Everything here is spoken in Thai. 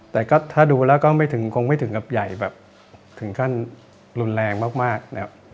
แต่ก็ถ้าดูแล้วก็ไม่ถึงคงไม่ถึงกับใหญ่แบบถึงขั้นรุนแรงมากนะครับ